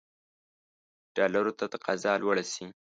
ډالرو ته تقاضا لوړه شي.